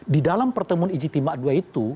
di dalam pertemuan ijti mak ii itu